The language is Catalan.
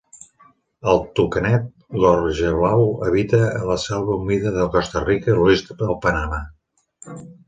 El tucanet gorjablau habita a la selva humida de Costa Rica i l'oest de Panamà.